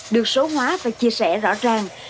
được số hóa và chia sẻ rõ ràng